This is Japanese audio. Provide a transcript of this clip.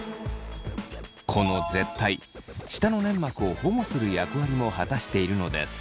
この舌苔舌の粘膜を保護する役割も果たしているのです。